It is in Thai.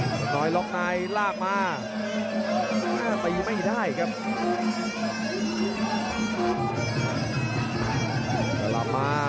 ก็เป็นลงทางมา